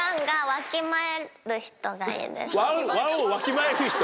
ワンをわきまえる人？